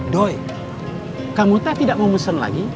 doi kamu tak tidak mau mesen lagi